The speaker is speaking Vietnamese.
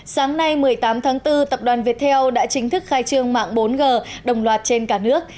sáng nay một mươi tám tháng bốn tập đoàn viettel đã chính thức khai trương mạng bốn g đồng loạt trên cả nước